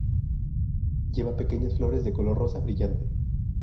Lleva pequeñas flores de color rosa brillante.